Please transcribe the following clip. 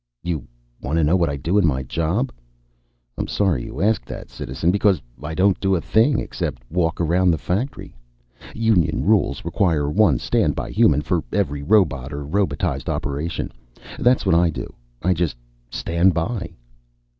_) "You want to know what I do in my job? I'm sorry you asked that, Citizen, because I don't do a thing except walk around the factory. Union rules require one stand by human for every robot or robotized operation. That's what I do. I just stand by."